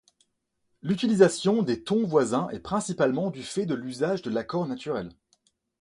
L'utilisation des tons voisins est principalement du fait de l'usage de l'accord naturel.